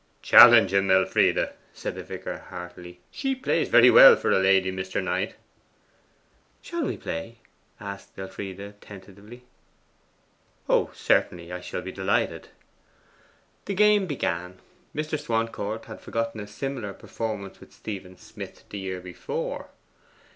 'Challenge him, Elfride,' said the vicar heartily. 'She plays very well for a lady, Mr. Knight.' 'Shall we play?' asked Elfride tentatively. 'Oh, certainly. I shall be delighted.' The game began. Mr. Swancourt had forgotten a similar performance with Stephen Smith the year before.